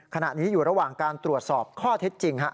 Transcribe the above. ขณะนี้อยู่ระหว่างการตรวจสอบข้อเท็จจริง